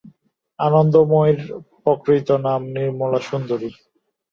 আনন্দময়ীর প্রকৃত নাম নির্মলা সুন্দরী।